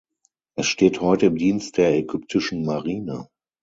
Es steht heute im Dienst der ägyptischen Marine.